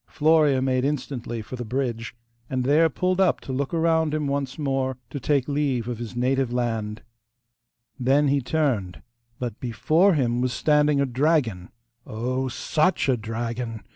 Florea made instantly for the bridge, and there pulled up to look around him once more, to take leave of his native land Then he turned, but before him was standing a dragon oh! SUCH a dragon!